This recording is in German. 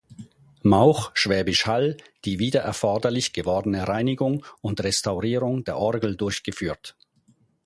Mauch, Schwäbisch Hall, die wieder erforderlich gewordene Reinigung und Restaurierung der Orgel durchgeführt.